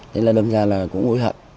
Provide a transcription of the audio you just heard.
thế nên là đâm ra là cũng hối hận